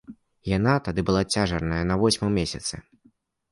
Яна тады была цяжарная, на восьмым месяцы.